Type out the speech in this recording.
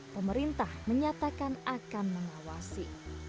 pemerintah menyatakan akan mengawasi